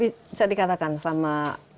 bisa dikatakan selama